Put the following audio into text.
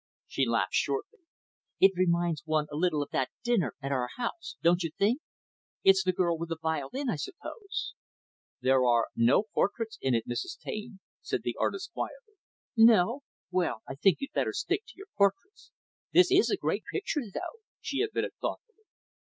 She laughed shortly. "It reminds one a little of that dinner at our house. Don't you think? It's the girl with the violin, I suppose." "There are no portraits in it, Mrs. Taine," said the artist, quietly. "No? Well, I think you'd better stick to your portraits. This is a great picture though," she admitted thoughtfully.